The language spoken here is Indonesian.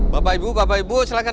bapak ibu bapak ibu silahkan